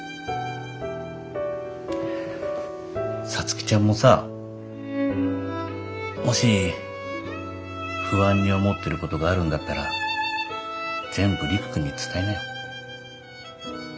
皐月ちゃんもさもし不安に思ってることがあるんだったら全部陸くんに伝えなよ。